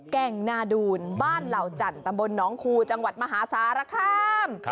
แก้งหน้าดูนบ้านเหล่าจันตำบลน้องครูจังหวัดมหาศาละครับ